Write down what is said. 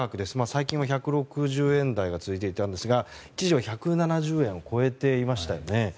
最近は１６０円台が続いていたんですが一時は１７０円を超えていましたよね。